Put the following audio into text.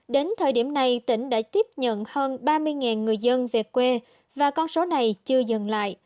đến thời điểm này tỉnh đã tiếp nhận hơn ba mươi người dân về quê và con số này chưa dừng lại